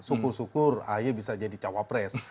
syukur syukur ahy bisa jadi cawapres